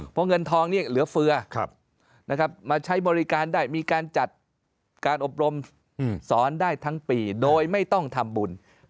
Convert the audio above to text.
เพราะเงินทองนี้เหลือเฟือมาใช้บริการได้มีการจัดการอบรมสอนได้ทั้งปีโดยไม่ต้องทำบุญ